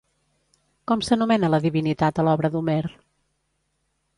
Com s'anomena la divinitat a l'obra d'Homer?